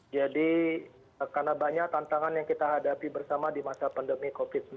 jadi karena banyak tantangan yang kita hadapi bersama di masa pandemi covid sembilan belas